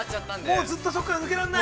◆もうずっとそこから抜けらんない？